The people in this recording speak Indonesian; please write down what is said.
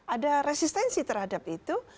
ada resistensi terhadap itu